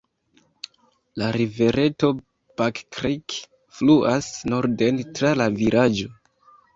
La rivereto Back Creek fluas norden tra la vilaĝo.